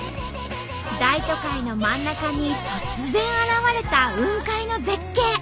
大都会の真ん中に突然現れた雲海の絶景。